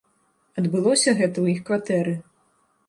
Адбылося гэта ў іх кватэры.